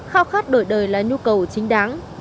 khao khát đổi đời là nhu cầu chính đáng